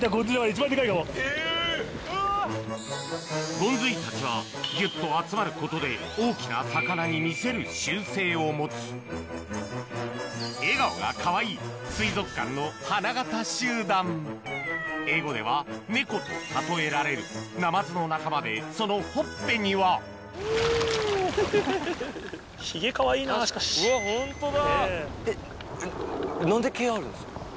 ゴンズイたちはぎゅっと集まることで大きな魚に見せる習性を持つ笑顔がかわいい水族館の花形集団英語では猫と例えられるそのほっぺにはうわホントだ。